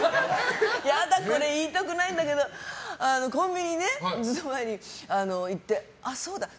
嫌だこれ言いたくないんだけどコンビニね、ずっと前に行ってあ、そうだって。